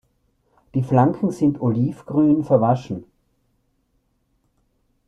Die Flanken sind olivgrün verwaschen.